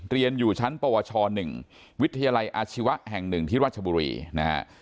เรียนอยู่ชั้นปวช๑วิทยาลัยอาชีวะแห่ง๑ที่รัชบุรีนะฮะ